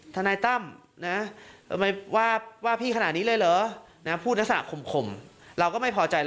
ทนายตั้มนะว่าพี่ขนาดนี้เลยเหรอพูดลักษณะข่มเราก็ไม่พอใจแล้ว